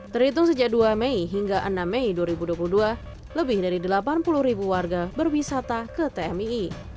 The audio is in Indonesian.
terhitung sejak dua mei hingga enam mei dua ribu dua puluh dua lebih dari delapan puluh ribu warga berwisata ke tmii